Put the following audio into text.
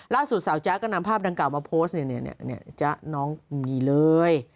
ล่าสุดสาวจ๊ะก็นำภาพดังกล่ามาโพสต์เนี่ยจ๊ะน้องมีเลย